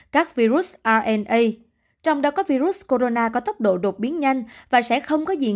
các virus rna trong đó có virus corona có tốc độ đột biến nhanh và sẽ không có diện